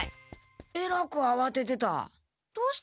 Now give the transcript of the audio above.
えらくあわててた。